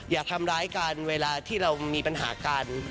อย่าทำร้ายกันเวลาที่เรามีปัญหากัน